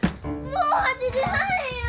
もう８時半や！